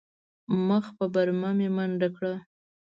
مخ په بره مې منډه کړه.